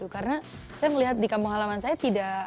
karena saya melihat di kampung halaman saya tidak